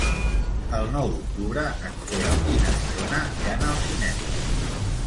El nou d'octubre en Quer i na Fiona iran al cinema.